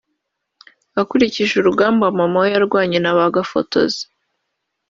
akurikije urugamba mama we yarwanye na ba gafotozi